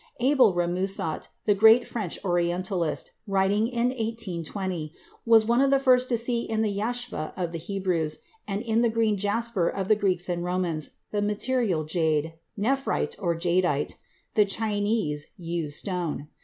Abel Remusat, the great French Orientalist, writing in 1820, was one of the first to see in the yashpheh of the Hebrews and in the green jasper of the Greeks and Romans, the material jade (nephrite or jadeite), the Chinese yu stone.